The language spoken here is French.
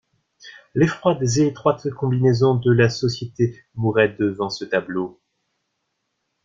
Les froides et étroites combinaisons de la société mouraient devant ce tableau.